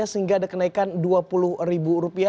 sehingga ada kenaikan rp dua puluh